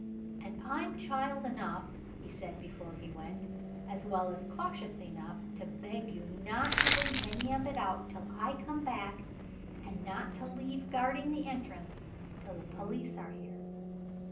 "And I'm child enough," he said before he went, "as well as cautious enough, to beg you not to bring any of it out till I come back, and not to leave guarding the entrance till the police are here."